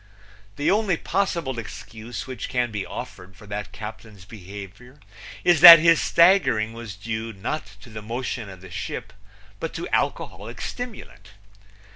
The only possible excuse which can be offered for that captain's behavior is that his staggering was due not to the motion of the ship but to alcoholic stimulant.